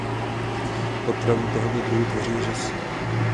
Potravu tohoto druhu tvoří řasy.